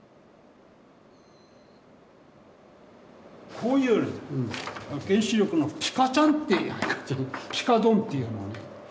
こういう原子力のピカちゃんっていうピカドンっていうのをね。